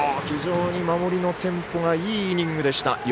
非常に守りのテンポがいいイニングでした。